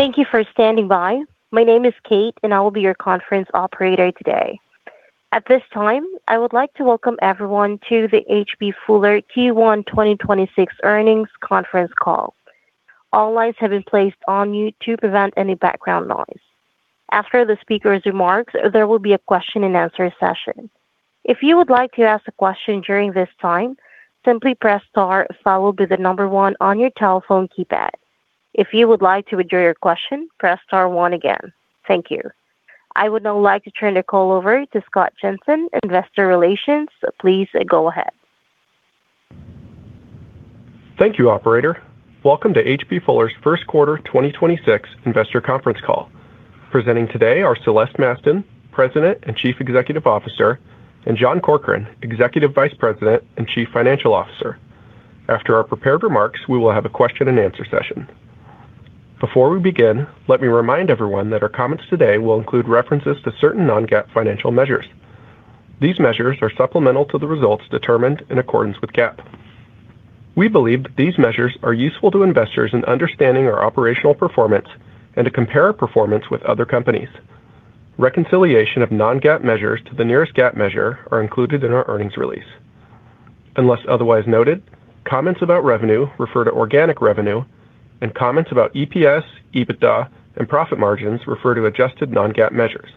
Thank you for standing by. My name is Kate, and I will be your conference operator today. At this time, I would like to welcome everyone to the H.B. Fuller Q1 2026 earnings conference call. All lines have been placed on mute to prevent any background noise. After the speaker's remarks, there will be a question-and-answer session. If you would like to ask a question during this time, simply press star followed by the number one on your telephone keypad. If you would like to withdraw your question, press star one again. Thank you. I would now like to turn the call over to Scott Jensen, Investor Relations. Please go ahead. Thank you, operator. Welcome to H.B. Fuller's First Quarter 2026 Investor conference call. Presenting today are Celeste Mastin, President and Chief Executive Officer, and John Corkrean, Executive Vice President and Chief Financial Officer. After our prepared remarks, we will have a question-and-answer session. Before we begin, let me remind everyone that our comments today will include references to certain non-GAAP financial measures. These measures are supplemental to the results determined in accordance with GAAP. We believe that these measures are useful to investors in understanding our operational performance and to compare our performance with other companies. Reconciliation of non-GAAP measures to the nearest GAAP measure are included in our earnings release. Unless otherwise noted, comments about revenue refer to organic revenue and comments about EPS, EBITDA, and profit margins refer to adjusted non-GAAP measures.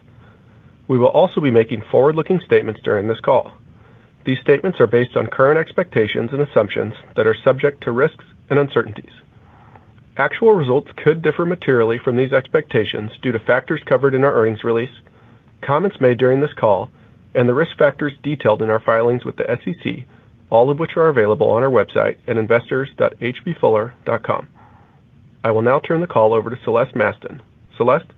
We will also be making forward-looking statements during this call. These statements are based on current expectations and assumptions that are subject to risks and uncertainties. Actual results could differ materially from these expectations due to factors covered in our earnings release, comments made during this call, and the risk factors detailed in our filings with the SEC, all of which are available on our website at investors.hbfuller.com. I will now turn the call over to Celeste Mastin. Celeste?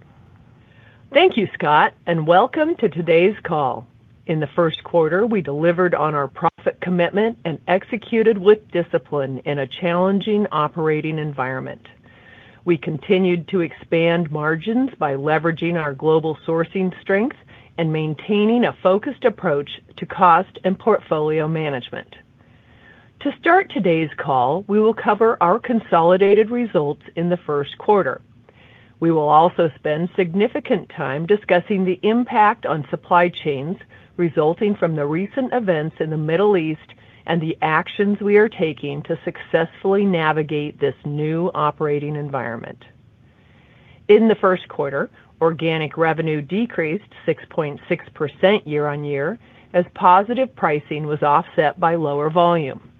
Thank you, Scott, and welcome to today's call. In the first quarter, we delivered on our profit commitment and executed with discipline in a challenging operating environment. We continued to expand margins by leveraging our global sourcing strength and maintaining a focused approach to cost and portfolio management. To start today's call, we will cover our consolidated results in the first quarter. We will also spend significant time discussing the impact on supply chains resulting from the recent events in the Middle East and the actions we are taking to successfully navigate this new operating environment. In the first quarter, organic revenue decreased 6.6% year-on-year as positive pricing was offset by lower volume.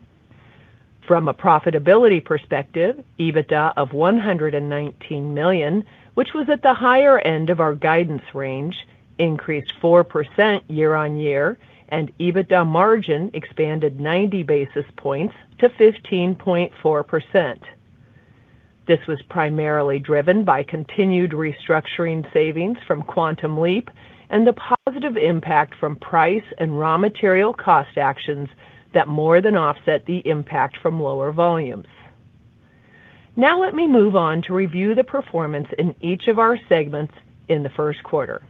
From a profitability perspective, EBITDA of $119 million, which was at the higher end of our guidance range, increased 4% year-on-year, and EBITDA margin expanded 90 basis points to 15.4%. This was primarily driven by continued restructuring savings from Quantum Leap and the positive impact from price and raw material cost actions that more than offset the impact from lower volumes. Now let me move on to review the performance in each of our segments in the first quarter.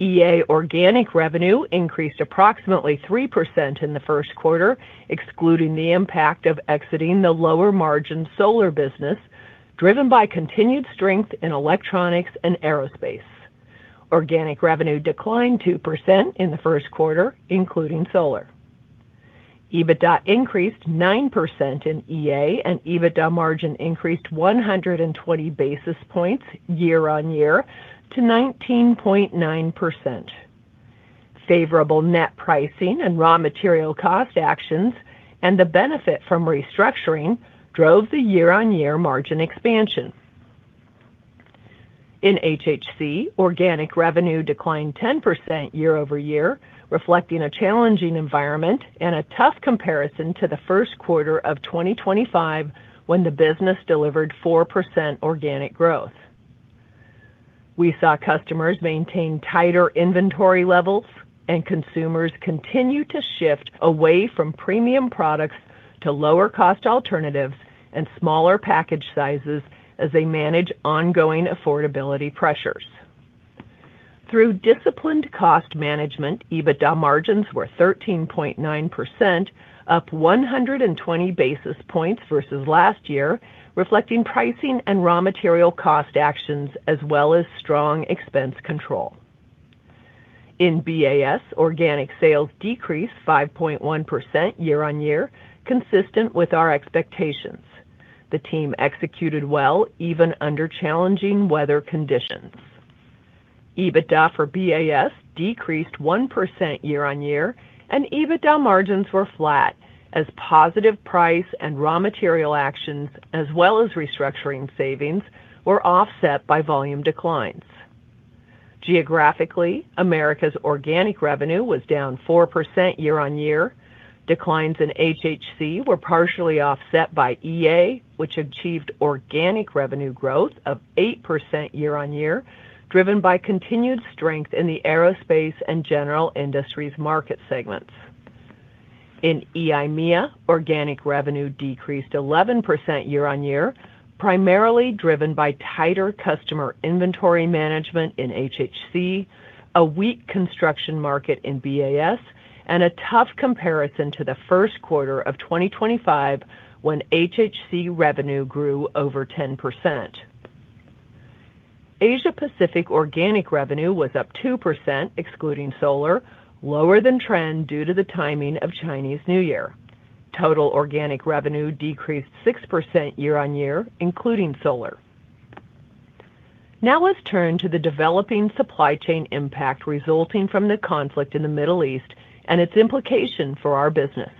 EA organic revenue increased approximately 3% in the first quarter, excluding the impact of exiting the lower-margin solar business, driven by continued strength in electronics and aerospace. Organic revenue declined 2% in the first quarter, including solar. EBITDA increased 9% in EA, and EBITDA margin increased 120 basis points year-on-year to 19.9%. Favorable net pricing and raw material cost actions and the benefit from restructuring drove the year-over-year margin expansion. In HHC, organic revenue declined 10% year-over-year, reflecting a challenging environment and a tough comparison to the first quarter of 2025 when the business delivered 4% organic growth. We saw customers maintain tighter inventory levels and consumers continue to shift away from premium products to lower-cost alternatives and smaller package sizes as they manage ongoing affordability pressures. Through disciplined cost management, EBITDA margins were 13.9%, up 120 basis points versus last year, reflecting pricing and raw material cost actions as well as strong expense control. In BAS, organic sales decreased 5.1% year-over-year, consistent with our expectations. The team executed well even under challenging weather conditions. EBITDA for BAS decreased 1% year-on-year, and EBITDA margins were flat as positive price and raw material actions, as well as restructuring savings, were offset by volume declines. Geographically, Americas organic revenue was down 4% year-on-year. Declines in HHC were partially offset by EA, which achieved organic revenue growth of 8% year-on-year, driven by continued strength in the aerospace and general industries market segments. In EIMEA, organic revenue decreased 11% year-on-year, primarily driven by tighter customer inventory management in HHC, a weak construction market in BAS, and a tough comparison to the first quarter of 2025 when HHC revenue grew over 10%. Asia Pacific organic revenue was up 2% excluding solar, lower than trend due to the timing of Chinese New Year. Total organic revenue decreased 6% year-on-year, including solar. Now let's turn to the developing supply chain impact resulting from the conflict in the Middle East and its implication for our business.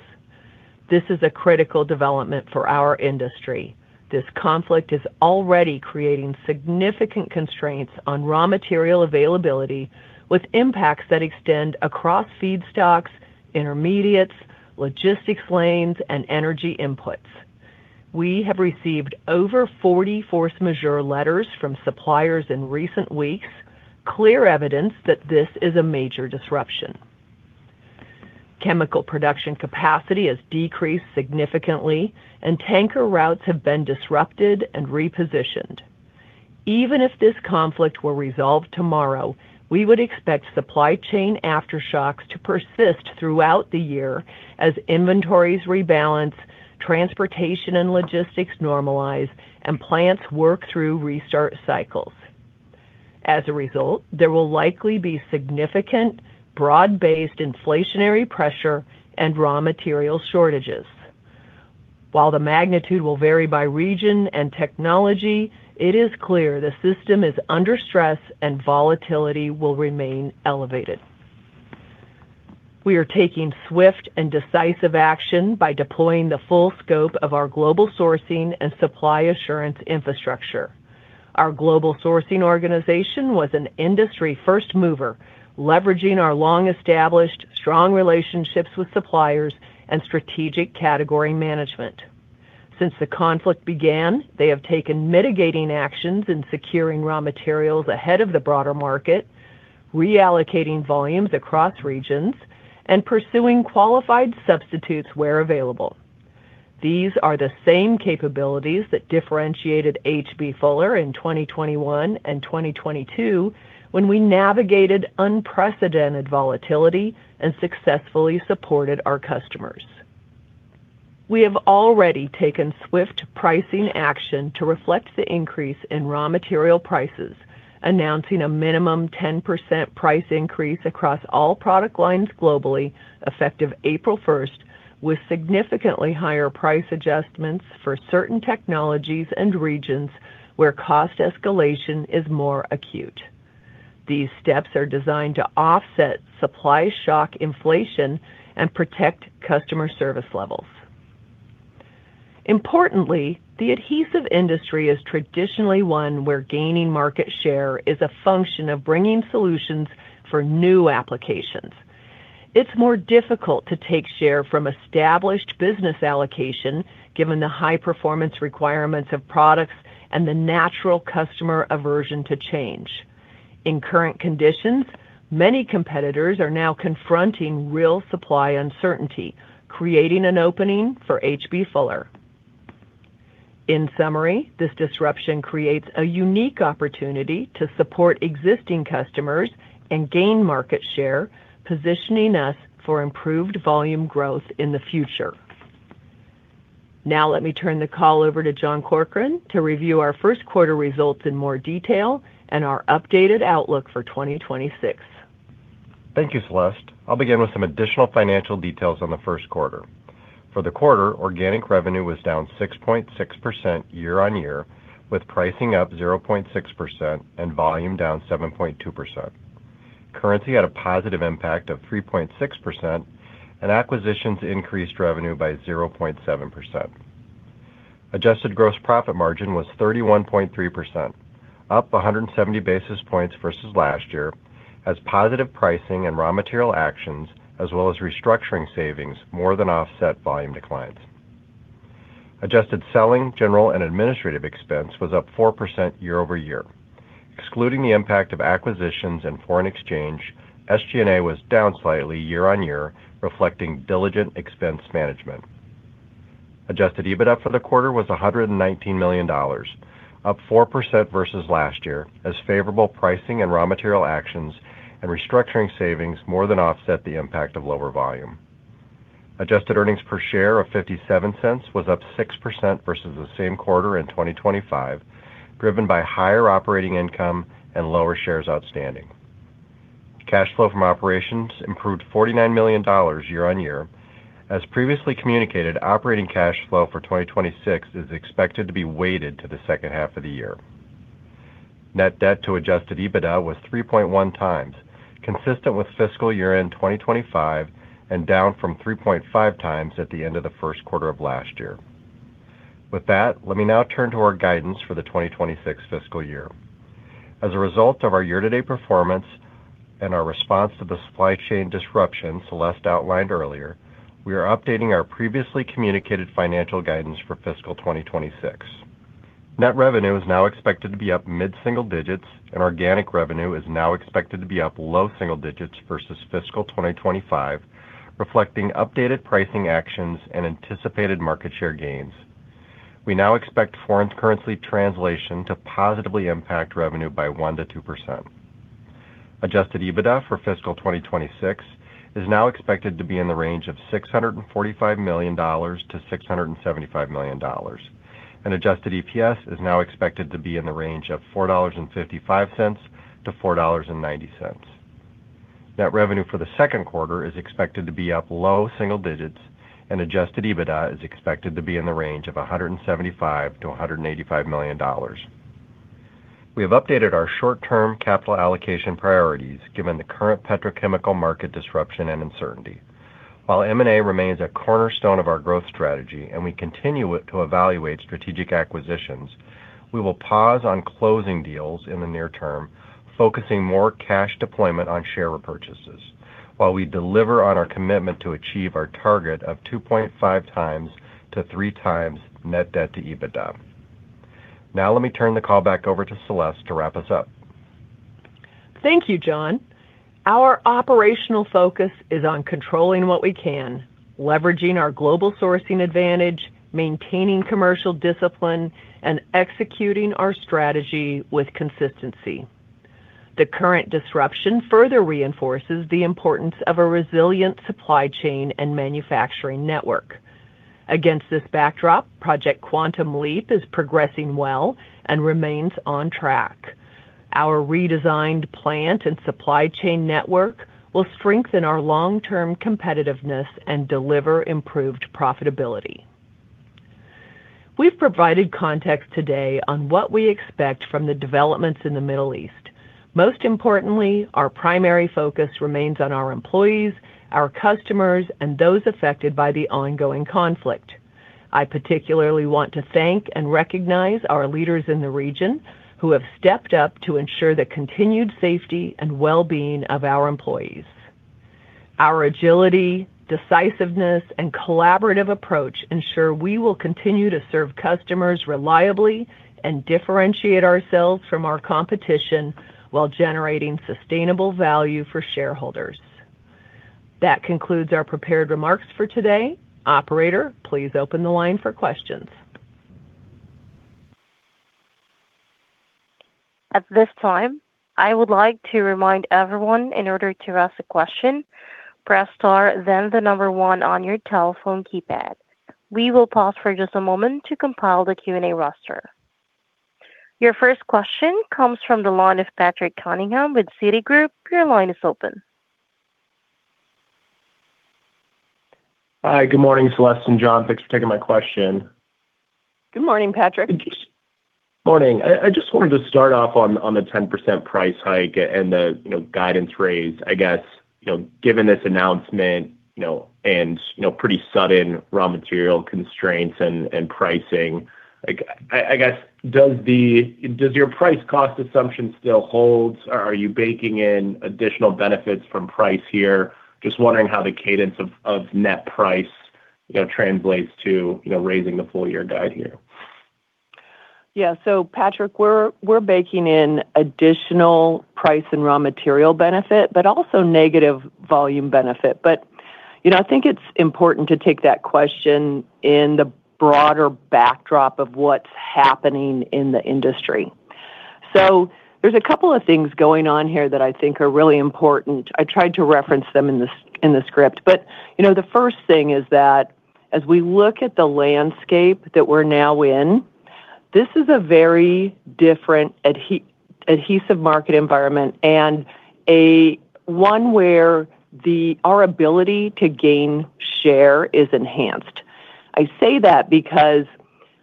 This is a critical development for our industry. This conflict is already creating significant constraints on raw material availability, with impacts that extend across feedstocks, intermediates, logistics lanes, and energy inputs. We have received over 40 force majeure letters from suppliers in recent weeks, clear evidence that this is a major disruption. Chemical production capacity has decreased significantly and tanker routes have been disrupted and repositioned. Even if this conflict were resolved tomorrow, we would expect supply chain aftershocks to persist throughout the year as inventories rebalance, transportation and logistics normalize, and plants work through restart cycles. As a result, there will likely be significant broad-based inflationary pressure and raw material shortages. While the magnitude will vary by region and technology, it is clear the system is under stress and volatility will remain elevated. We are taking swift and decisive action by deploying the full scope of our global sourcing and supply assurance infrastructure. Our global sourcing organization was an industry first mover, leveraging our long-established, strong relationships with suppliers and strategic category management. Since the conflict began, they have taken mitigating actions in securing raw materials ahead of the broader market, reallocating volumes across regions, and pursuing qualified substitutes where available. These are the same capabilities that differentiated H.B. Fuller in 2021 and 2022 when we navigated unprecedented volatility and successfully supported our customers. We have already taken swift pricing action to reflect the increase in raw material prices, announcing a minimum 10% price increase across all product lines globally, effective April 1st, with significantly higher price adjustments for certain technologies and regions where cost escalation is more acute. These steps are designed to offset supply shock inflation and protect customer service levels. Importantly, the adhesive industry is traditionally one where gaining market share is a function of bringing solutions for new applications. It's more difficult to take share from established business allocation given the high performance requirements of products and the natural customer aversion to change. In current conditions, many competitors are now confronting real supply uncertainty, creating an opening for H.B. Fuller. In summary, this disruption creates a unique opportunity to support existing customers and gain market share, positioning us for improved volume growth in the future. Now let me turn the call over to John Corkrean to review our first quarter results in more detail and our updated outlook for 2026. Thank you, Celeste. I'll begin with some additional financial details on the first quarter. For the quarter, organic revenue was down 6.6% year-over-year, with pricing up 0.6% and volume down 7.2%. Currency had a positive impact of 3.6%, and acquisitions increased revenue by 0.7%. Adjusted gross profit margin was 31.3%, up 170 basis points versus last year, as positive pricing and raw material actions as well as restructuring savings more than offset volume declines. Adjusted selling, general, and administrative expense was up 4% year-over-year. Excluding the impact of acquisitions and foreign exchange, SG&A was down slightly year-over-year, reflecting diligent expense management. Adjusted EBITDA for the quarter was $119 million, up 4% versus last year as favorable pricing and raw material actions and restructuring savings more than offset the impact of lower volume. Adjusted earnings per share of $0.57 was up 6% versus the same quarter in 2025, driven by higher operating income and lower shares outstanding. Cash flow from operations improved $49 million year-on-year. As previously communicated, operating cash flow for 2026 is expected to be weighted to the second half of the year. Net-debt-to-Adjusted EBITDA was 3.1x, consistent with fiscal year-end 2025 and down from 3.5x at the end of the first quarter of last year. With that, let me now turn to our guidance for the 2026 fiscal year. As a result of our year-to-date performance and our response to the supply chain disruption Celeste outlined earlier, we are updating our previously communicated financial guidance for fiscal 2026. Net revenue is now expected to be up mid-single digits, and organic revenue is now expected to be up low single digits versus fiscal 2025, reflecting updated pricing actions and anticipated market share gains. We now expect foreign currency translation to positively impact revenue by 1%-2%. Adjusted EBITDA for fiscal 2026 is now expected to be in the range of $645 million-$675 million. Adjusted EPS is now expected to be in the range of $4.55-$4.90. Net revenue for the second quarter is expected to be up low single digits and Adjusted EBITDA is expected to be in the range of $175 million-$185 million. We have updated our short-term capital allocation priorities given the current petrochemical market disruption and uncertainty. While M&A remains a cornerstone of our growth strategy and we continue to evaluate strategic acquisitions, we will pause on closing deals in the near term, focusing more cash deployment on share repurchases while we deliver on our commitment to achieve our target of 2.5x -3x net-debt-to EBITDA. Now let me turn the call back over to Celeste to wrap us up. Thank you, John. Our operational focus is on controlling what we can, leveraging our global sourcing advantage, maintaining commercial discipline, and executing our strategy with consistency. The current disruption further reinforces the importance of a resilient supply chain and manufacturing network. Against this backdrop, Project Quantum Leap is progressing well and remains on track. Our redesigned plant and supply chain network will strengthen our long-term competitiveness and deliver improved profitability. We've provided context today on what we expect from the developments in the Middle East. Most importantly, our primary focus remains on our employees, our customers, and those affected by the ongoing conflict. I particularly want to thank and recognize our leaders in the region who have stepped up to ensure the continued safety and well-being of our employees. Our agility, decisiveness, and collaborative approach ensure we will continue to serve customers reliably and differentiate ourselves from our competition while generating sustainable value for shareholders. That concludes our prepared remarks for today. Operator, please open the line for questions. At this time, I would like to remind everyone in order to ask a question, press star, then one on your telephone keypad. We will pause for just a moment to compile the Q&A roster. Your first question comes from the line of Patrick Cunningham with Citigroup. Your line is open. Hi, good morning, Celeste and John. Thanks for taking my question. Good morning, Patrick. Morning. I just wanted to start off on the 10% price hike and the, you know, guidance raise, I guess. You know, given this announcement, you know, and pretty sudden raw material constraints and pricing, like, I guess, does your price cost assumption still hold? Are you baking in additional benefits from price here? Just wondering how the cadence of net price, you know, translates to raising the full year guide here. Yeah. Patrick, we're baking in additional price and raw material benefit, but also negative volume benefit. You know, I think it's important to take that question in the broader backdrop of what's happening in the industry. There's a couple of things going on here that I think are really important. I tried to reference them in the script, but you know, the first thing is that as we look at the landscape that we're now in, this is a very different adhesive market environment and a one where the, our ability to gain share is enhanced. I say that because,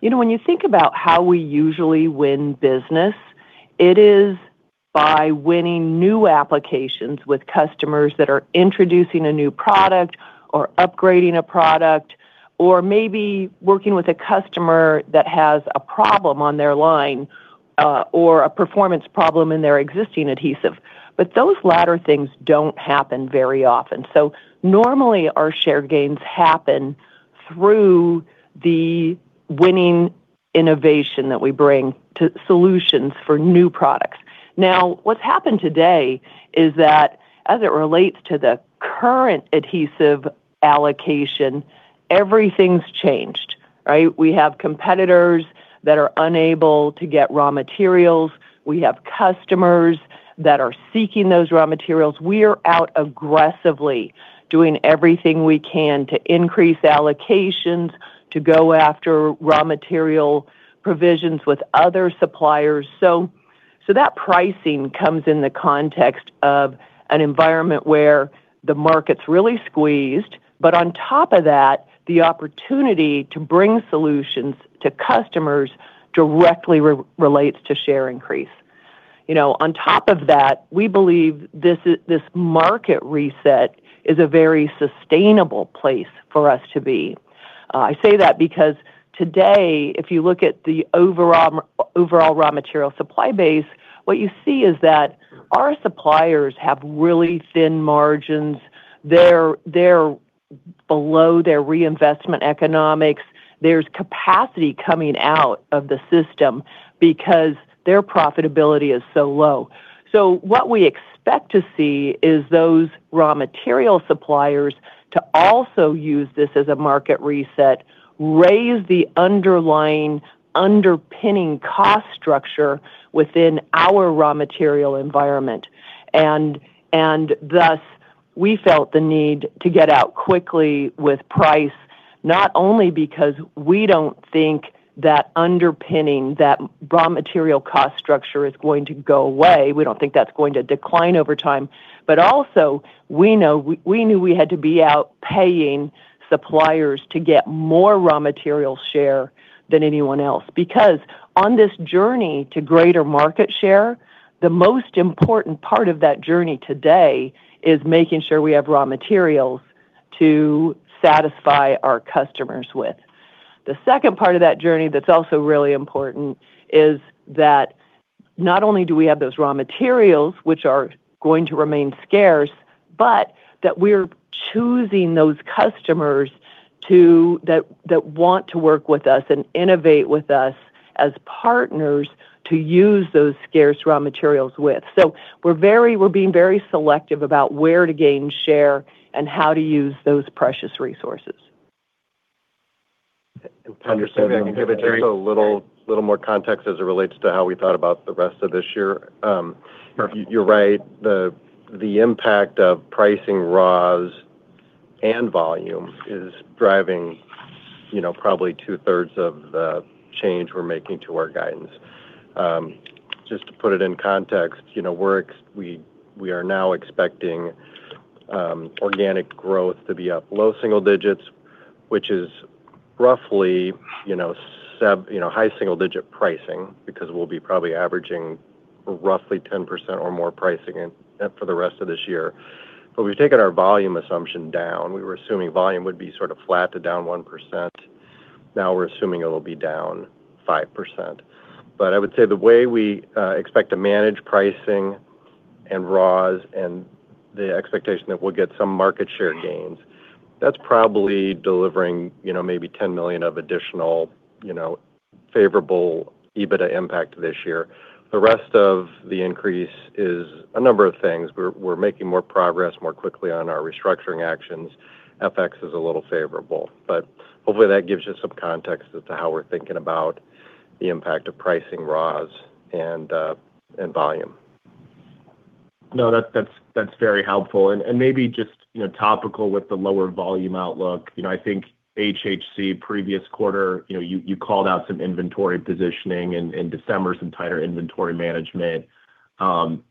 you know, when you think about how we usually win business, it is by winning new applications with customers that are introducing a new product or upgrading a product or maybe working with a customer that has a problem on their line, or a performance problem in their existing adhesive. Those latter things don't happen very often. Normally our share gains happen through the winning innovation that we bring to solutions for new products. Now, what's happened today is that as it relates to the current adhesive allocation, everything's changed, right? We have competitors that are unable to get raw materials. We have customers that are seeking those raw materials. We are out aggressively doing everything we can to increase allocations, to go after raw material provisions with other suppliers. That pricing comes in the context of an environment where the market's really squeezed, but on top of that, the opportunity to bring solutions to customers directly relates to share increase. You know, on top of that, we believe this market reset is a very sustainable place for us to be. I say that because today, if you look at the overall raw material supply base, what you see is that our suppliers have really thin margins. They're below their reinvestment economics. There's capacity coming out of the system because their profitability is so low. What we expect to see is those raw material suppliers to also use this as a market reset, raise the underlying underpinning cost structure within our raw material environment, and thus we felt the need to get out quickly with price not only because we don't think that underpinning, that raw material cost structure is going to go away. We don't think that's going to decline over time, but also we know, we knew we had to be out paying suppliers to get more raw material share than anyone else. Because on this journey to greater market share, the most important part of that journey today is making sure we have raw materials to satisfy our customers with. The second part of that journey that's also really important is that not only do we have those raw materials which are going to remain scarce, but that we're choosing those customers that want to work with us and innovate with us as partners to use those scarce raw materials with. We're being very selective about where to gain share and how to use those precious resources. Understood. Just a little more context as it relates to how we thought about the rest of this year. You're right, the impact of pricing, raws and volume is driving, you know, probably 2/3 of the change we're making to our guidance. Just to put it in context, you know, we are now expecting organic growth to be up low single digits, which is roughly, you know, high single digit pricing because we'll be probably averaging roughly 10% or more pricing in for the rest of this year. We've taken our volume assumption down. We were assuming volume would be sort of flat to down 1%. Now we're assuming it'll be down 5%. I would say the way we expect to manage pricing and raws and the expectation that we'll get some market share gains, that's probably delivering, you know, maybe $10 million of additional, you know, favorable EBITDA impact this year. The rest of the increase is a number of things. We're making more progress more quickly on our restructuring actions. FX is a little favorable, but hopefully that gives you some context as to how we're thinking about the impact of pricing raws and and volume. No, that's very helpful. Maybe just, you know, topical with the lower volume outlook. You know, I think HHC previous quarter, you know, you called out some inventory positioning in December, some tighter inventory management.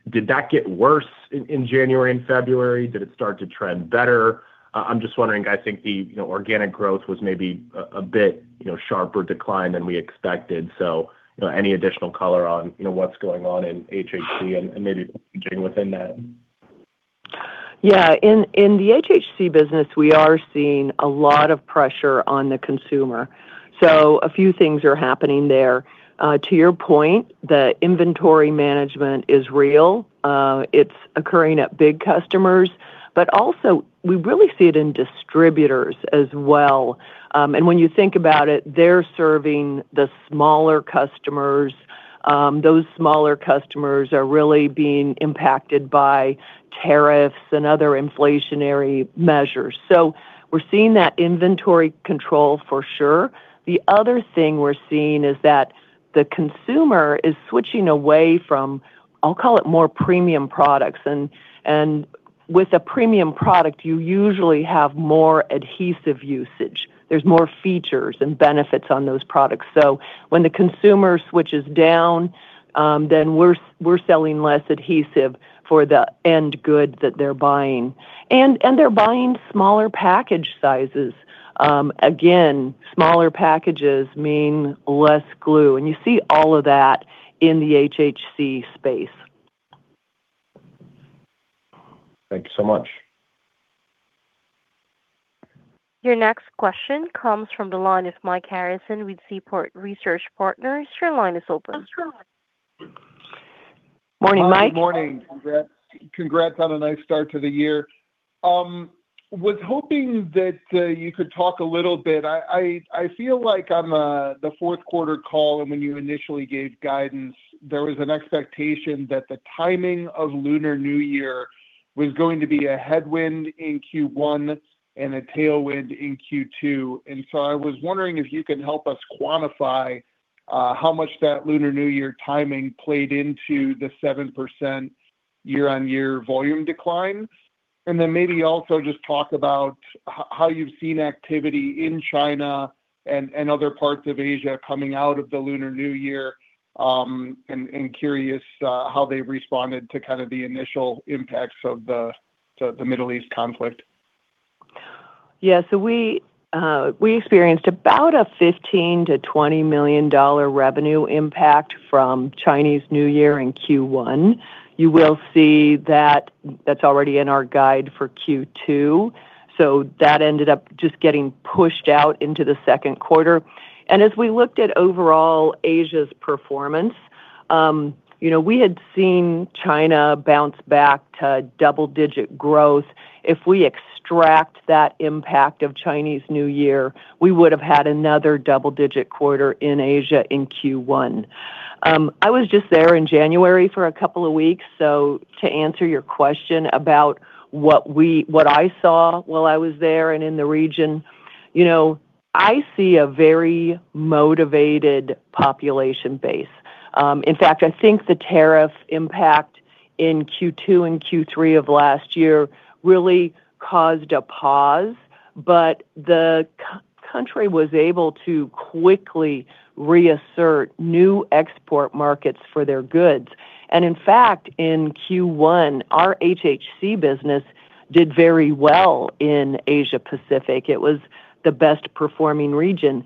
Did that get worse in January and February? Did it start to trend better? I'm just wondering, I think the, you know, organic growth was maybe a bit, you know, sharper decline than we expected. You know, any additional color on, you know, what's going on in HHC and maybe getting within that? Yeah. In the HHC business, we are seeing a lot of pressure on the consumer, so a few things are happening there. To your point, the inventory management is real. It's occurring at big customers, but also we really see it in distributors as well. When you think about it, they're serving the smaller customers. Those smaller customers are really being impacted by tariffs and other inflationary measures. We're seeing that inventory control for sure. The other thing we're seeing is that the consumer is switching away from, I'll call it more premium products. With a premium product, you usually have more adhesive usage. There's more features and benefits on those products. When the consumer switches down, then we're selling less adhesive for the end good that they're buying. They're buying smaller package sizes. Again, smaller packages mean less glue, and you see all of that in the HHC space. Thank you so much. Your next question comes from the line of Mike Harrison with Seaport Research Partners. Your line is open. Morning, Mike. Morning. Congrats. Congrats on a nice start to the year. I was hoping that you could talk a little bit. I feel like on the fourth quarter call and when you initially gave guidance, there was an expectation that the timing of Lunar New Year was going to be a headwind in Q1 and a tailwind in Q2. I was wondering if you can help us quantify how much that Lunar New Year timing played into the 7% year-on-year volume decline. Maybe also just talk about how you've seen activity in China and other parts of Asia coming out of the Lunar New Year, and curious how they responded to kind of the initial impacts of the Middle East conflict. We experienced about a $15 million-$20 million revenue impact from Chinese New Year in Q1. You will see that that's already in our guide for Q2. That ended up just getting pushed out into the second quarter. As we looked at overall Asia's performance, you know, we had seen China bounce back to double-digit growth. If we extract that impact of Chinese New Year, we would've had another double-digit quarter in Asia in Q1. I was just there in January for a couple of weeks. To answer your question about what I saw while I was there and in the region, you know, I see a very motivated population base. In fact, I think the tariff impact in Q2 and Q3 of last year really caused a pause, but the country was able to quickly reassert new export markets for their goods. In fact, in Q1, our HHC business did very well in Asia Pacific. It was the best-performing region.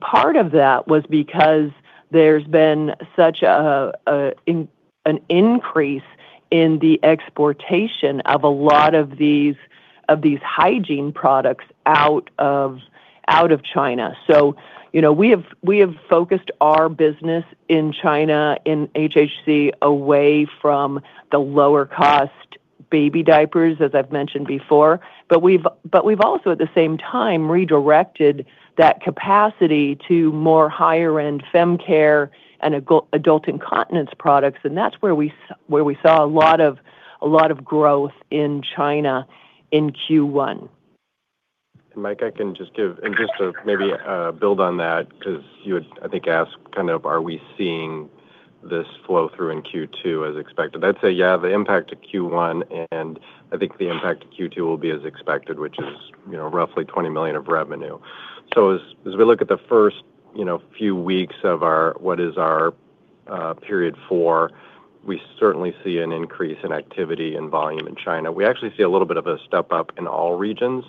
Part of that was because there's been such an increase in the exportation of a lot of these hygiene products out of China. You know, we have focused our business in China in HHC away from the lower-cost baby diapers, as I've mentioned before. But we've also at the same time redirected that capacity to more higher-end fem care and adult incontinence products, and that's where we saw a lot of growth in China in Q1. Mike, just to maybe build on that because you had, I think, asked kind of are we seeing this flow through in Q2 as expected. I'd say yeah, the impact to Q1, and I think the impact to Q2 will be as expected, which is, you know, roughly $20 million of revenue. As we look at the first, you know, few weeks of our, what is our period four, we certainly see an increase in activity and volume in China. We actually see a little bit of a step-up in all regions.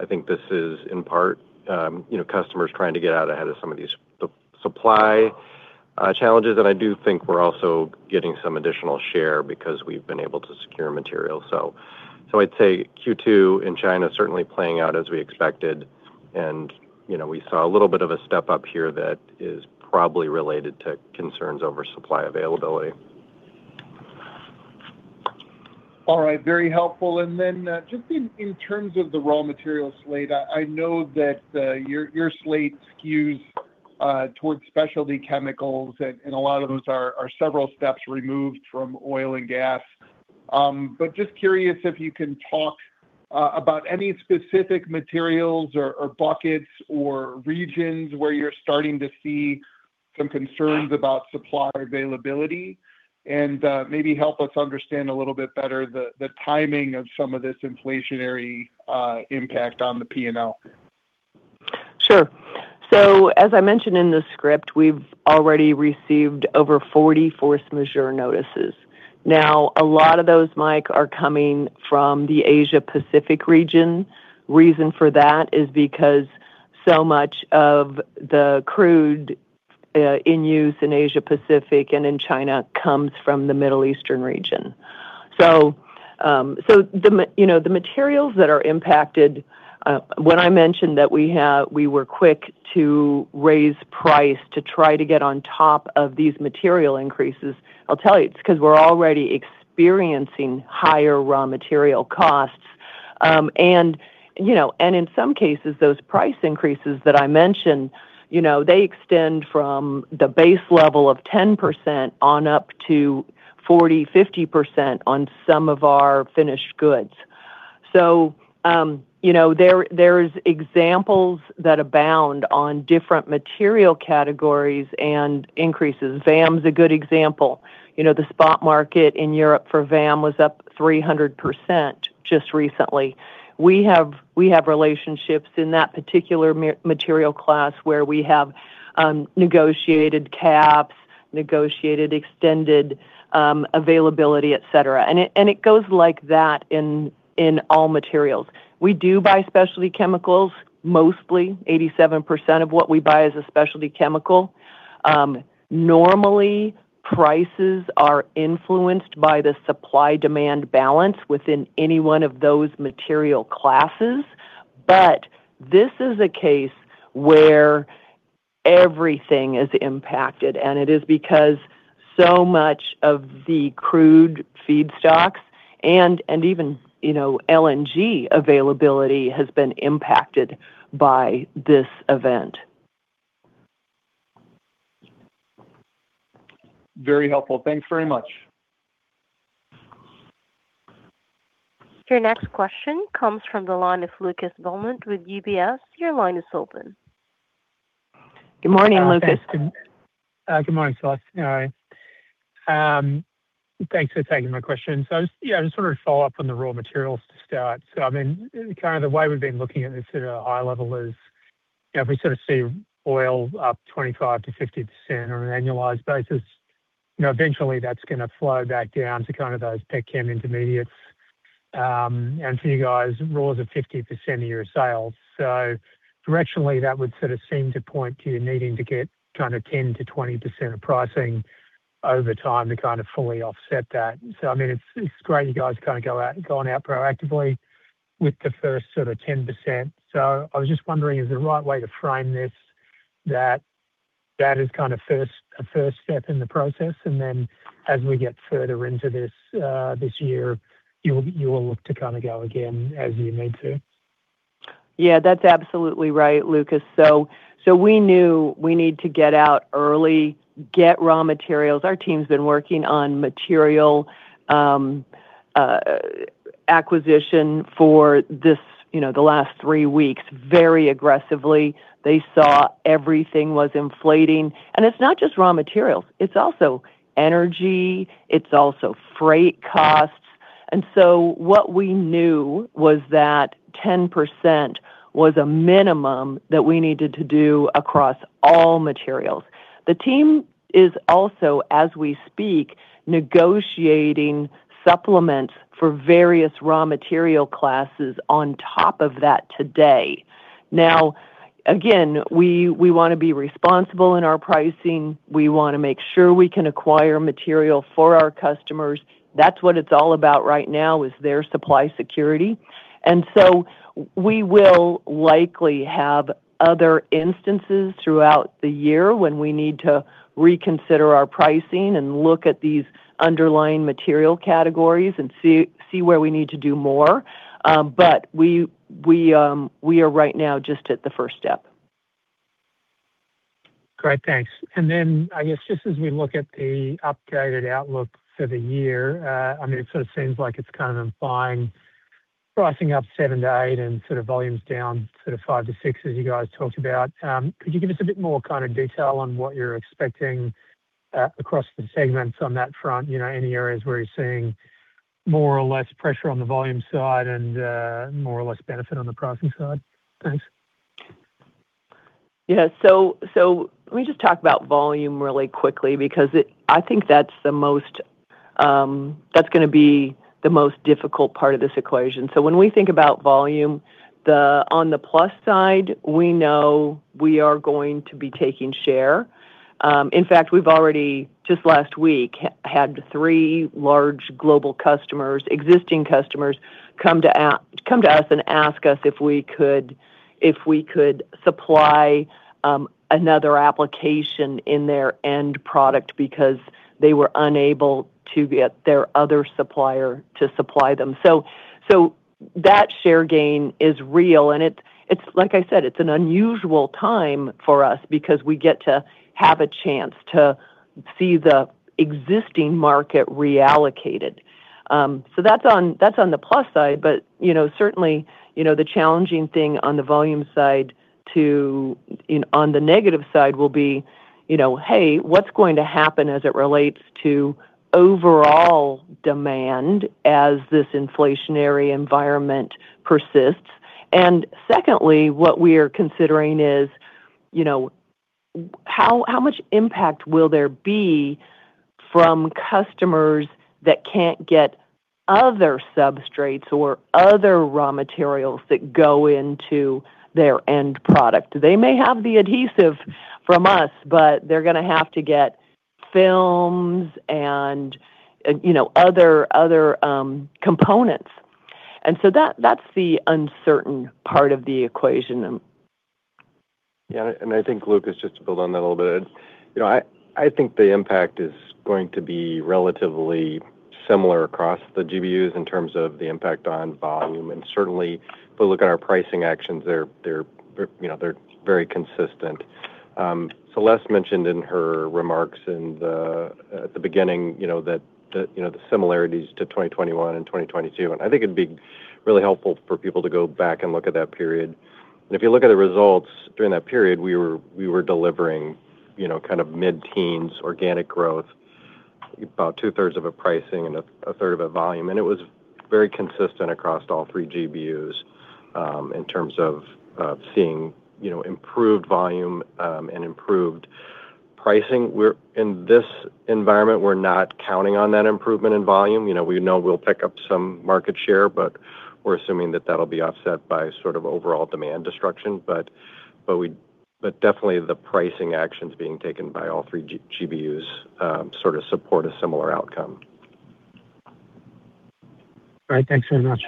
I think this is in part, you know, customers trying to get out ahead of some of these supply challenges. I do think we're also getting some additional share because we've been able to secure material. I'd say Q2 in China is certainly playing out as we expected and, you know, we saw a little bit of a step-up here that is probably related to concerns over supply availability. All right. Very helpful. Just in terms of the raw material slate, I know that your slate skews towards specialty chemicals and a lot of those are several steps removed from oil and gas. Just curious if you can talk about any specific materials or buckets or regions where you're starting to see some concerns about supply availability and maybe help us understand a little bit better the timing of some of this inflationary impact on the P&L? Sure. As I mentioned in the script, we've already received over 40 force majeure notices. Now, a lot of those, Mike, are coming from the Asia Pacific region. Reason for that is because so much of the crude in use in Asia Pacific and in China comes from the Middle Eastern region. You know, the materials that are impacted when I mentioned that we were quick to raise price to try to get on top of these material increases, I'll tell you it's 'cause we're already experiencing higher raw material costs. In some cases, those price increases that I mentioned, you know, they extend from the base level of 10% on up to 40%, 50% on some of our finished goods. You know, there's examples that abound on different material categories and increases. VAM's a good example. You know, the spot market in Europe for VAM was up 300% just recently. We have relationships in that particular material class where we have negotiated caps, negotiated extended availability, et cetera. And it goes like that in all materials. We do buy specialty chemicals, mostly. 87% of what we buy is a specialty chemical. Normally, prices are influenced by the supply-demand balance within any one of those material classes. But this is a case where everything is impacted, and it is because so much of the crude feedstocks and even LNG availability has been impacted by this event. Very helpful. Thanks very much. Your next question comes from the line of Lucas Bulman with UBS. Your line is open. Good morning, Lucas. Good morning to us. All right. Thanks for taking my question. Just, yeah, just sort of follow up on the raw materials to start. I mean, kind of the way we've been looking at this at a high level is, you know, if we sort of see oil up 25%-50% on an annualized basis, you know, eventually that's gonna flow back down to kind of those Petchem intermediates. For you guys, raw is at 50% of your sales. Directionally, that would sort of seem to point to you needing to get kind of 10%-20% of pricing over time to kind of fully offset that. I mean, it's great you guys kind of gone out proactively with the first sort of 10%. I was just wondering, is the right way to frame this that is kind of first, a first step in the process, and then as we get further into this year, you will look to kind of go again as you need to? Yeah, that's absolutely right, Lucas. We knew we need to get out early, get raw materials. Our team's been working on material acquisition for this, you know, the last three weeks very aggressively. They saw everything was inflating. It's not just raw materials, it's also energy, it's also freight costs. What we knew was that 10% was a minimum that we needed to do across all materials. The team is also, as we speak, negotiating supplements for various raw material classes on top of that today. Now, again, we wanna be responsible in our pricing. We wanna make sure we can acquire material for our customers. That's what it's all about right now is their supply security. We will likely have other instances throughout the year when we need to reconsider our pricing and look at these underlying material categories and see where we need to do more. But we are right now just at the first step. Great. Thanks. Then I guess just as we look at the updated outlook for the year, I mean, it sort of seems like it's kind of implying pricing up 7%-8% and sort of volumes down 5%-6% as you guys talked about. Could you give us a bit more kind of detail on what you're expecting across the segments on that front? You know, any areas where you're seeing more or less pressure on the volume side and more or less benefit on the pricing side? Thanks. Let me just talk about volume really quickly because I think that's gonna be the most difficult part of this equation. When we think about volume, on the plus side, we know we are going to be taking share. In fact, we've already just last week had three large global customers, existing customers, come to us and ask us if we could supply another application in their end product because they were unable to get their other supplier to supply them. That share gain is real, and it's like I said, it's an unusual time for us because we get to have a chance to see the existing market reallocated. That's on the plus side. You know, certainly, you know, the challenging thing on the volume side. On the negative side will be, you know, hey, what's going to happen as it relates to overall demand as this inflationary environment persists? Secondly, what we are considering is, you know, how much impact will there be from customers that can't get other substrates or other raw materials that go into their end product? They may have the adhesive from us, but they're gonna have to get films and, you know, other components. That's the uncertain part of the equation. Yeah. I think, Lucas, just to build on that a little bit. You know, I think the impact is going to be relatively similar across the GBUs in terms of the impact on volume. Certainly, if we look at our pricing actions, they're very consistent. Celeste mentioned in her remarks at the beginning that the similarities to 2021 and 2022, and I think it'd be really helpful for people to go back and look at that period. If you look at the results during that period, we were delivering kind of mid-teens organic growth, about 2/3 of a pricing and a 1/3 of a volume. It was very consistent across all three GBUs, in terms of seeing, you know, improved volume, and improved pricing. In this environment, we're not counting on that improvement in volume. You know, we know we'll pick up some market share, but we're assuming that that'll be offset by sort of overall demand destruction. But definitely the pricing actions being taken by all three GBUs, sort of support a similar outcome. All right. Thanks very much.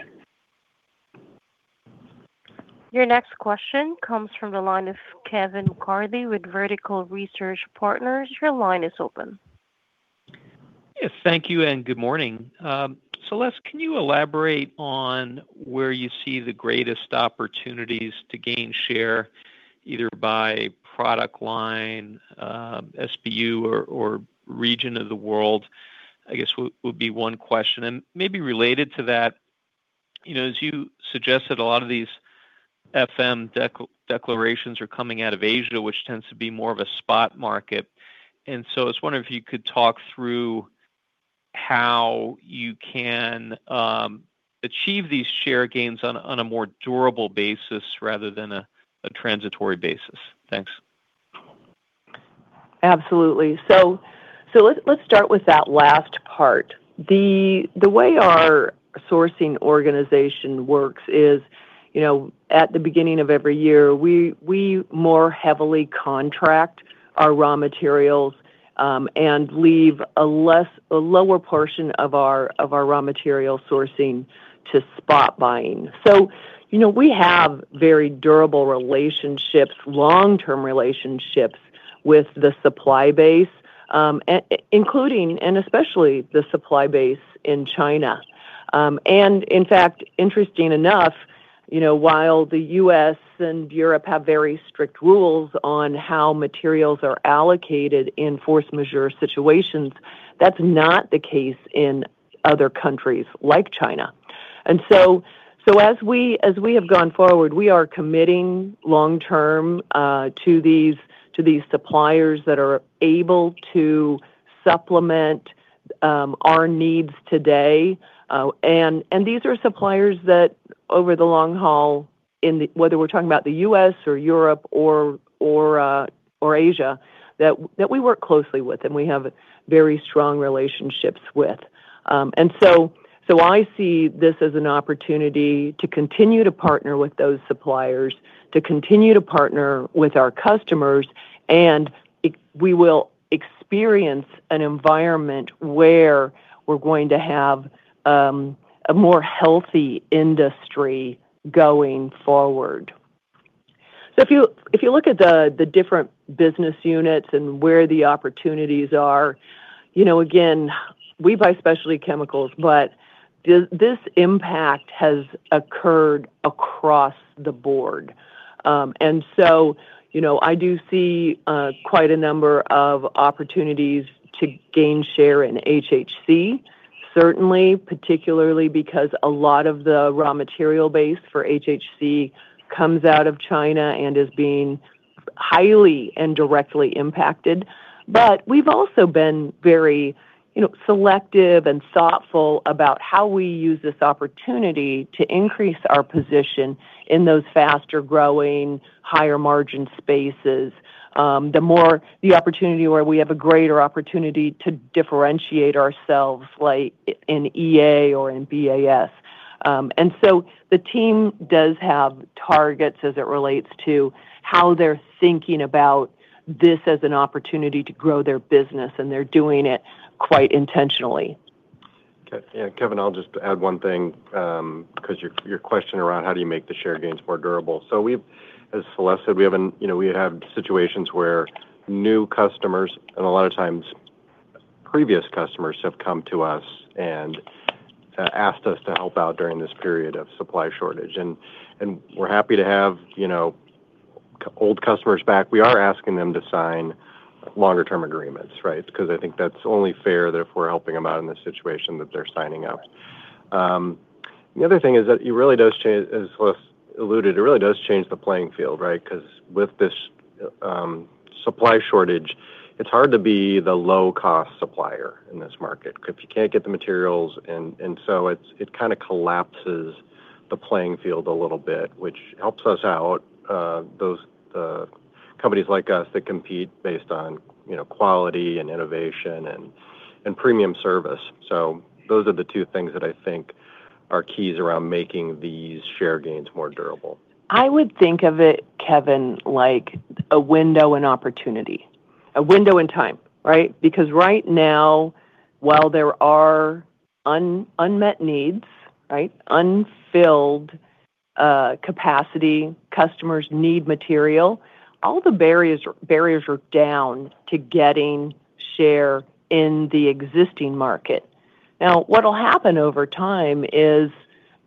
Your next question comes from the line of Kevin McCarthy with Vertical Research Partners. Your line is open. Yes, thank you, and good morning. Celeste, can you elaborate on where you see the greatest opportunities to gain share either by product line, SBU or region of the world, I guess would be one question. Maybe related to that, you know, as you suggested, a lot of these FM declarations are coming out of Asia, which tends to be more of a spot market. I was wondering if you can achieve these share gains on a more durable basis rather than a transitory basis. Thanks. Absolutely. Let's start with that last part. The way our sourcing organization works is, you know, at the beginning of every year, we more heavily contract our raw materials, and leave a less... a lower portion of our raw material sourcing to spot buying. You know, we have very durable relationships, long-term relationships with the supply base, and including, and especially the supply base in China. In fact, interestingly enough, you know, while the U.S. and Europe have very strict rules on how materials are allocated in force majeure situations, that's not the case in other countries like China. So as we have gone forward, we are committing long-term to these suppliers that are able to supplement our needs today. These are suppliers that over the long haul, whether we're talking about the U.S. or Europe or Asia, that we work closely with and we have very strong relationships with. I see this as an opportunity to continue to partner with those suppliers, to continue to partner with our customers, and we will experience an environment where we're going to have a more healthy industry going forward. If you look at the different business units and where the opportunities are, you know, again, we buy specialty chemicals, but this impact has occurred across the board. You know, I do see quite a number of opportunities to gain share in HHC, certainly, particularly because a lot of the raw material base for HHC comes out of China and is being highly and directly impacted. We've also been very, you know, selective and thoughtful about how we use this opportunity to increase our position in those faster-growing, higher-margin spaces, the more the opportunity where we have a greater opportunity to differentiate ourselves like in EA or in BAS. The team does have targets as it relates to how they're thinking about this as an opportunity to grow their business, and they're doing it quite intentionally. Okay. Yeah, Kevin, I'll just add one thing, 'cause your question around how do you make the share gains more durable. As Celeste said, we have situations where new customers, and a lot of times previous customers, have come to us and asked us to help out during this period of supply shortage. We're happy to have, you know, old customers back. We are asking them to sign longer term agreements, right? 'Cause I think that's only fair that if we're helping them out in this situation that they're signing up. The other thing is that it really does, as Celeste alluded, change the playing field, right? 'Cause with this supply shortage, it's hard to be the low cost supplier in this market if you can't get the materials and so it kind of collapses the playing field a little bit, which helps us out, the companies like us that compete based on, you know, quality and innovation and premium service. Those are the two things that I think are keys around making these share gains more durable. I would think of it, Kevin, like a window of opportunity, a window in time, right? Because right now while there are unmet needs, right, unfilled capacity, customers need material, all the barriers are down to getting share in the existing market. Now, what'll happen over time is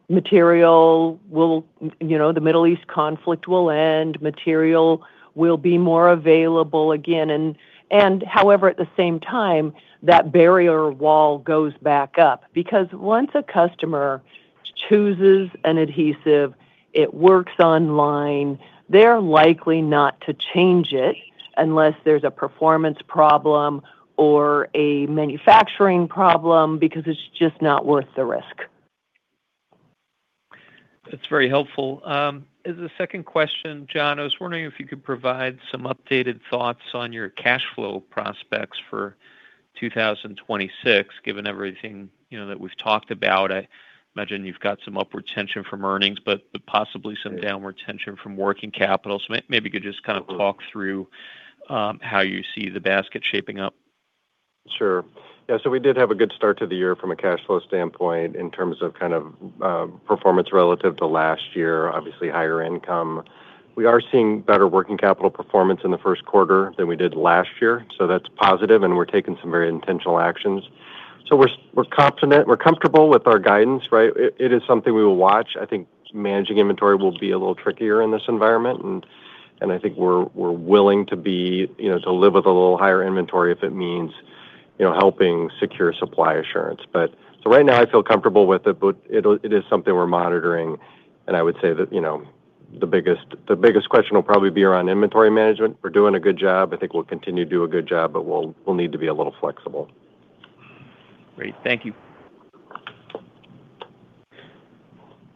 material will, you know, the Middle East conflict will end, material will be more available again, and however, at the same time, that barrier wall goes back up. Because once a customer chooses an adhesive, it works online, they're likely not to change it unless there's a performance problem or a manufacturing problem because it's just not worth the risk. That's very helpful. As a second question, John, I was wondering if you could provide some updated thoughts on your cash flow prospects for 2026, given everything, you know, that we've talked about. I imagine you've got some upward tension from earnings, but possibly some downward tension from working capital. Maybe you could just kind of talk through how you see the basket shaping up. Sure. Yeah, we did have a good start to the year from a cash flow standpoint in terms of kind of performance relative to last year, obviously higher income. We are seeing better working capital performance in the first quarter than we did last year, so that's positive and we're taking some very intentional actions. We're confident, we're comfortable with our guidance, right? It is something we will watch. I think managing inventory will be a little trickier in this environment and I think we're willing to be, you know, to live with a little higher inventory if it means, you know, helping secure supply assurance. Right now I feel comfortable with it, but it is something we're monitoring and I would say that, you know, the biggest question will probably be around inventory management. We're doing a good job. I think we'll continue to do a good job, but we'll need to be a little flexible. Great. Thank you.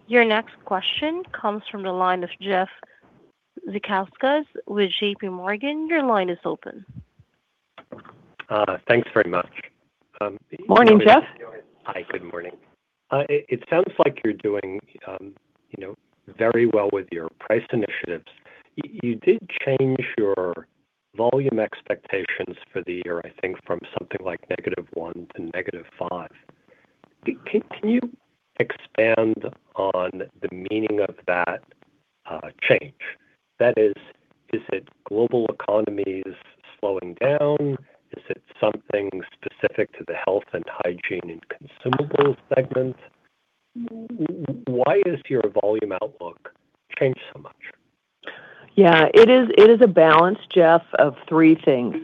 Your next question comes from the line of Jeff Zekauskas with JPMorgan. Your line is open. Thanks very much. Morning, Jeff. Hi. Good morning. It sounds like you're doing, you know, very well with your price initiatives. You did change your volume expectations for the year, I think from something like -1% to -5%. Can you expand on the meaning of that change? That is it global economies slowing down? Is it something specific to the health and hygiene and consumables segment? Why does your volume outlook change so much? Yeah. It is a balance, Jeff, of three things.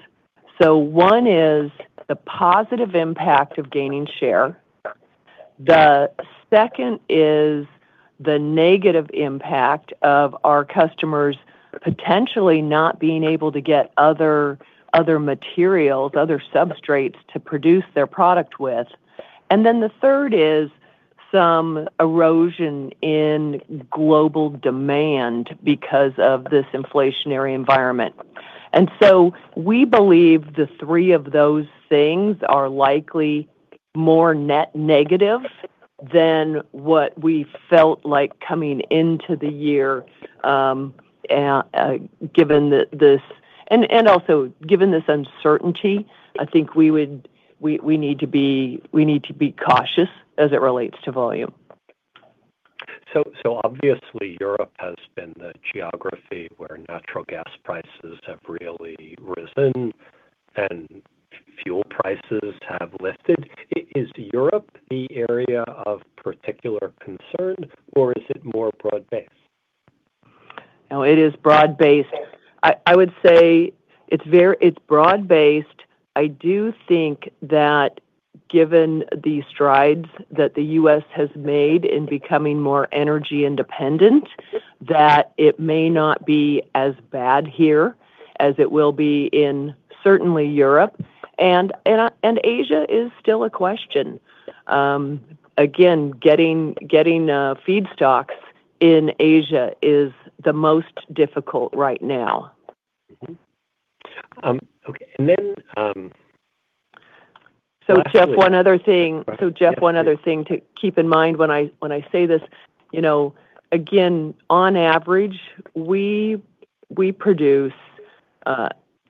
One is the positive impact of gaining share. The second is the negative impact of our customers potentially not being able to get other materials, other substrates to produce their product with. Then the third is some erosion in global demand because of this inflationary environment. We believe the three of those things are likely more net negative than what we felt like coming into the year, given this uncertainty. I think we need to be cautious as it relates to volume. Obviously Europe has been the geography where natural gas prices have really risen and fuel prices have lifted. Is Europe the area of particular concern or is it more broad-based? No, it is broad-based. I would say it's very broad-based. I do think that given the strides that the U.S. has made in becoming more energy independent, that it may not be as bad here as it will be in, certainly, Europe. Asia is still a question. Again, getting feedstocks in Asia is the most difficult right now. Mm-hmm. Okay. Jeff, one other thing. Right. Yeah. Jeff, one other thing to keep in mind when I say this, you know, again, on average, we produce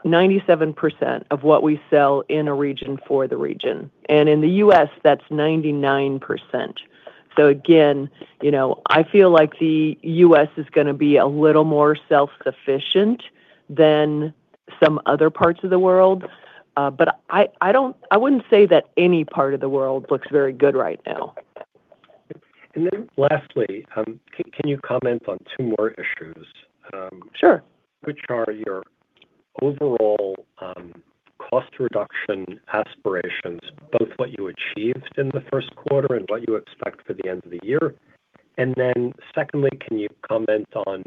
97% of what we sell in a region for the region. In the U.S., that's 99%. Again, you know, I feel like the U.S. is gonna be a little more self-sufficient than some other parts of the world. I wouldn't say that any part of the world looks very good right now. Lastly, can you comment on two more issues? Sure which are your overall, cost reduction aspirations, both what you achieved in the first quarter and what you expect for the end of the year? Then secondly, can you comment on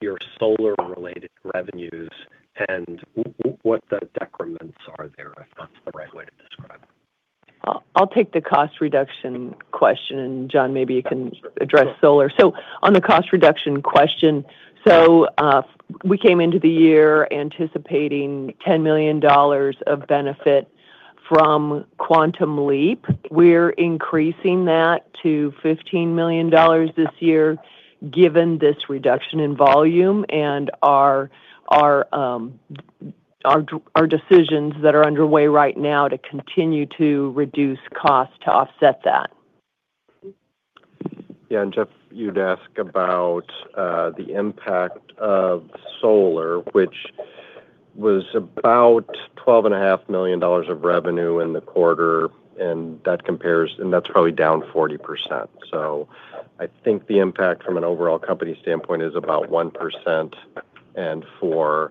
your solar related revenues and what the decrements are there, if that's the right way to describe it? I'll take the cost reduction question, and John, maybe you can address solar. On the cost reduction question, we came into the year anticipating $10 million of benefit from Quantum Leap. We're increasing that to $15 million this year, given this reduction in volume and our decisions that are underway right now to continue to reduce costs to offset that. Yeah. Jeff, you'd ask about the impact of solar, which was about $12.5 million of revenue in the quarter, and that compares, and that's probably down 40%. I think the impact from an overall company standpoint is about 1%. For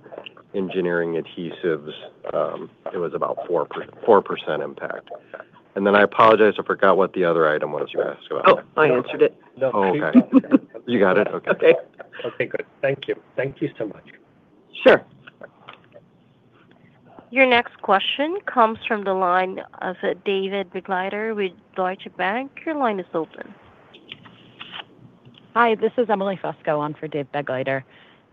Engineering Adhesives, it was about 4% impact. Then I apologize, I forgot what the other item was you asked about. Oh, I answered it. Okay. You got it? Okay. Okay. Okay, good. Thank you. Thank you so much. Sure. Your next question comes from the line of David Begleiter with Deutsche Bank. Your line is open. Hi, this is Emily Fusco on for David Begleiter.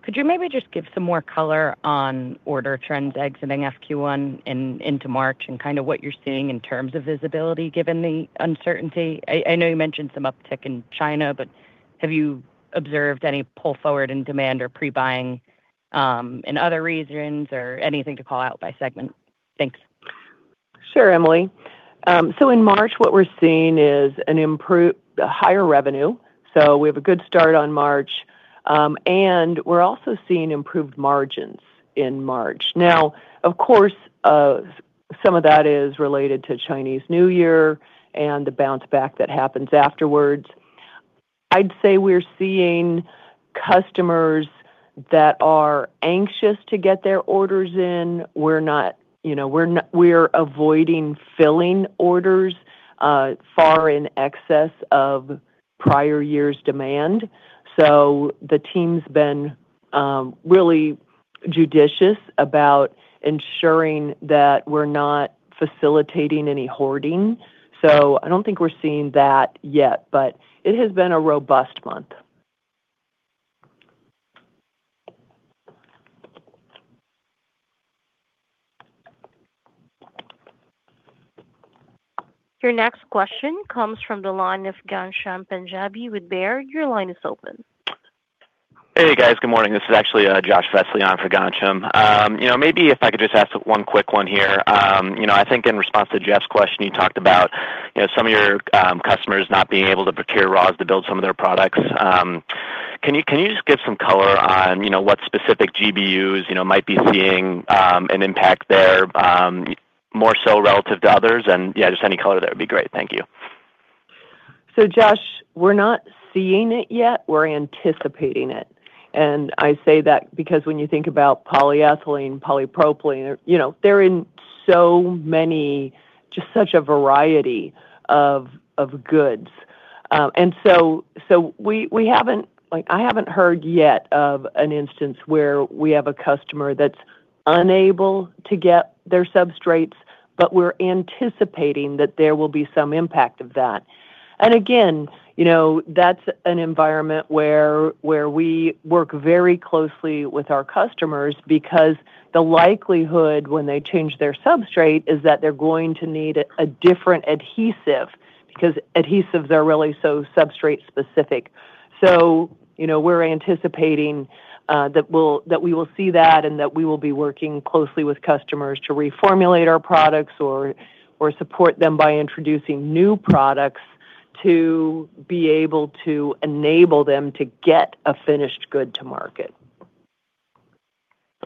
Could you maybe just give some more color on order trends exiting Q1 into March and kind of what you're seeing in terms of visibility given the uncertainty? I know you mentioned some uptick in China, but have you observed any pull forward in demand or pre-buying in other regions or anything to call out by segment? Thanks. Sure, Emily. In March, what we're seeing is a higher revenue, so we have a good start on March, and we're also seeing improved margins in March. Now, of course, some of that is related to Chinese New Year and the bounce back that happens afterwards. I'd say we're seeing customers that are anxious to get their orders in. We're not, you know, we're avoiding filling orders far in excess of prior years' demand. The team's been really judicious about ensuring that we're not facilitating any hoarding. I don't think we're seeing that yet, but it has been a robust month. Your next question comes from the line of Ghansham Panjabi with Baird. Your line is open. Hey guys, good morning. This is actually Josh Vesely on for Ghansham Panjabi. You know, maybe if I could just ask one quick one here. You know, I think in response to Jeff's question, you talked about, you know, some of your customers not being able to procure raws to build some of their products. Can you just give some color on, you know, what specific GBUs, you know, might be seeing an impact there, more so relative to others? Yeah, just any color there would be great. Thank you. Josh, we're not seeing it yet, we're anticipating it. I say that because when you think about polyethylene, polypropylene, you know, they're in so many, just such a variety of goods. We haven't. Like, I haven't heard yet of an instance where we have a customer that's unable to get their substrates, but we're anticipating that there will be some impact of that. Again, you know, that's an environment where we work very closely with our customers because the likelihood when they change their substrate is that they're going to need a different adhesive, because adhesives are really so substrate specific. You know, we're anticipating that we will see that and that we will be working closely with customers to reformulate our products or support them by introducing new products to be able to enable them to get a finished good to market.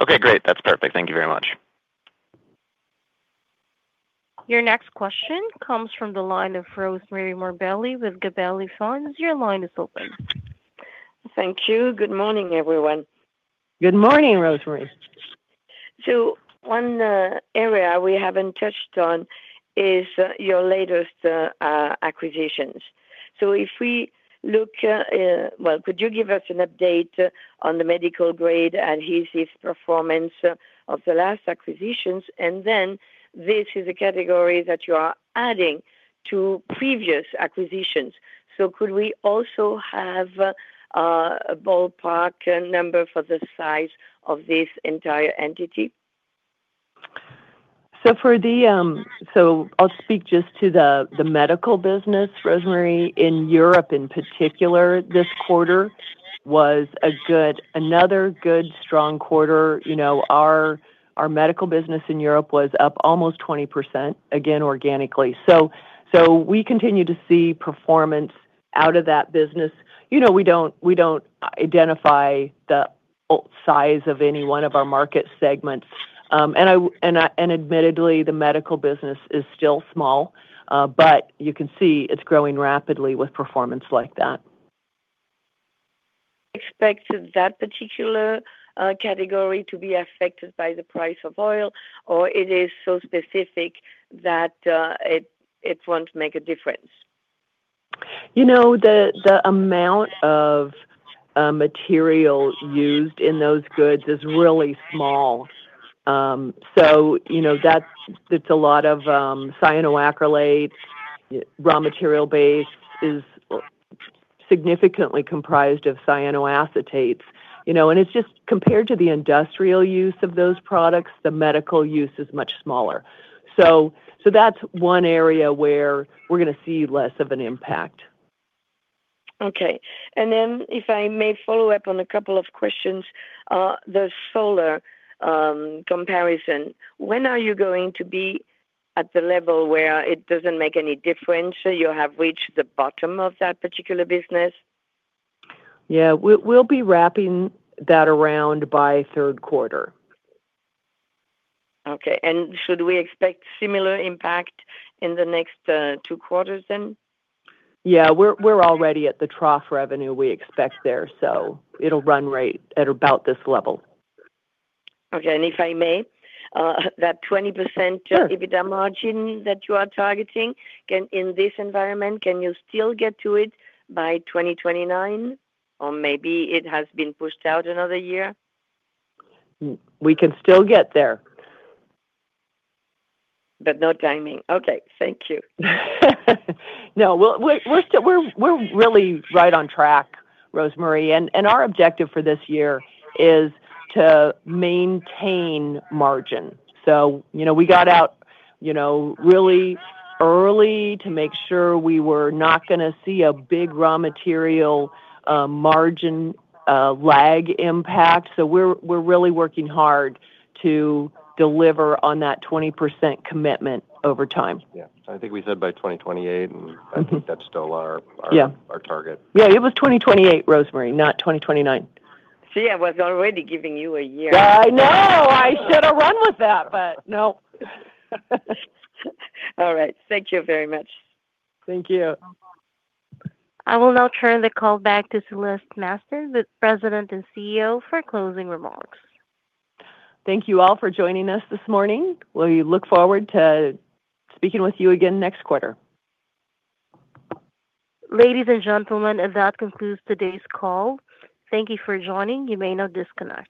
Okay, great. That's perfect. Thank you very much. Your next question comes from the line of Rosemarie Morbelli with Gabelli Funds. Your line is open. Thank you. Good morning, everyone. Good morning, Rosemarie. One area we haven't touched on is your latest acquisitions. Well, could you give us an update on the medical grade adhesive performance of the last acquisitions? This is a category that you are adding to previous acquisitions. Could we also have a ballpark number for the size of this entire entity? I'll speak just to the medical business, Rosemarie. In Europe in particular, this quarter was another good strong quarter. Our medical business in Europe was up almost 20%, again, organically. We continue to see performance out of that business. We don't identify the size of any one of our market segments. Admittedly, the medical business is still small, but you can see it's growing rapidly with performance like that. Expect that particular category to be affected by the price of oil, or it is so specific that it won't make a difference. You know, the amount of material used in those goods is really small. So you know, it's a lot of cyanoacrylate. Raw material base is significantly comprised of cyanoacetates. You know, and it's just compared to the industrial use of those products, the medical use is much smaller. That's one area where we're gonna see less of an impact. Okay. If I may follow up on a couple of questions. The solar comparison. When are you going to be at the level where it doesn't make any difference, you have reached the bottom of that particular business? Yeah. We'll be wrapping that around by third quarter. Okay. Should we expect similar impact in the next two quarters then? Yeah. We're already at the trough revenue we expect there, so it'll run right at about this level. Okay. If I may, that 20%- Sure. EBITDA margin that you are targeting, in this environment, can you still get to it by 2029, or maybe it has been pushed out another year? We can still get there. not guiding. Okay, thank you. No, we're still really right on track, Rosemarie. Our objective for this year is to maintain margin. You know, we got out, you know, really early to make sure we were not gonna see a big raw material margin lag impact. We're really working hard to deliver on that 20% commitment over time. Yeah. I think we said by 2028, and I think that's still our Yeah. our target. Yeah, it was 2028, Rosemarie, not 2029. See, I was already giving you a year. I know. I should have run with that, but no. All right. Thank you very much. Thank you. I will now turn the call back to Celeste Mastin, the President and CEO, for closing remarks. Thank you all for joining us this morning. We look forward to speaking with you again next quarter. Ladies and gentlemen, that concludes today's call. Thank you for joining. You may now disconnect.